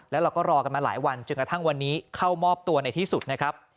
แล้วเราก็รอกันมาหลายวันจนกระทั่งวันนี้เข้ามอบตัวในที่สุดนะครับ